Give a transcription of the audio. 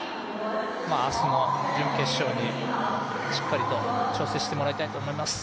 明日の準決勝にしっかりと調整してもらいたいなと思います。